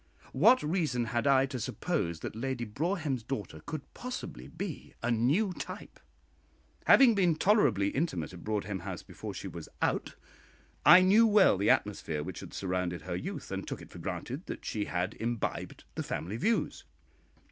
What reason had I to suppose that Lady Broadhem's daughter could possibly be a new type? Having been tolerably intimate at Broadhem House before she was out, I knew well the atmosphere which had surrounded her youth, and took it for granted that she had imbibed the family views.